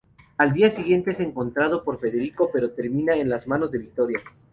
Al día siguiente es encontrado por Federico pero termina en las manos de Victoria.